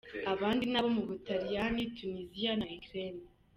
Abandi n'abo mu Butaliyani, Tunisia na Ukraine.